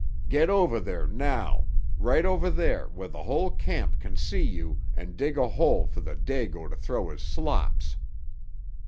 Get over there now—right over there where the whole camp can see you, and dig a hole for the Dago to throw his slops!"